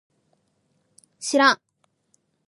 しらん